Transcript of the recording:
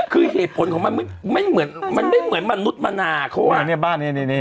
คือเหตุผลของมันไม่เหมือนมันไม่เหมือนมนุษย์มนาเขาอะเนี้ยบ้านเนี้ยเนี้ยเนี้ย